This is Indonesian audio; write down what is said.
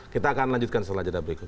kita akan lanjutkan setelah jeda berikut